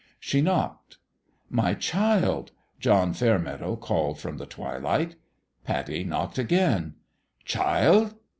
She knocked. "My child !" John Fairmeadow called from the twilight. Pattie knocked again. " Child